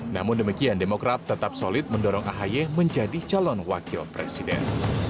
namun demikian demokrat tetap solid mendorong ahy menjadi calon wakil presiden